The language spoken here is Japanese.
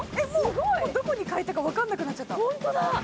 もうどこに書いたか分からなくなっちゃった。